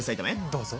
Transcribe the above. どうぞ。